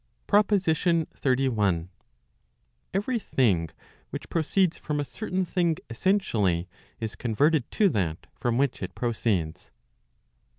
PROPOSITION XXXI. Every thing which proceeds from a certain thing essentially, is converted to that from which it proceeds.